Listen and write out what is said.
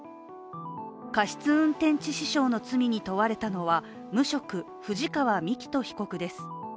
過失運転致死傷の罪に問われたのは無職・藤川幹人被告です。